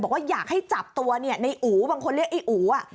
บอกว่าอยากให้จับตัวเนี่ยในอู๋บางคนเรียกไอ้อู๋อ่ะ